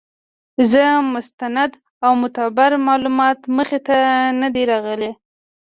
څۀ مستند او معتبر معلومات مخې ته نۀ دي راغلي